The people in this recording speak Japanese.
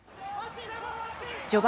序盤。